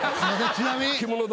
ちなみに？